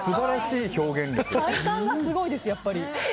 体幹がすごいです、やっぱり。